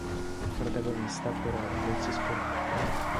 Il protagonista però non si scoraggia.